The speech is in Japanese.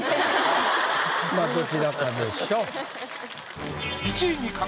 まあどちらかでしょう。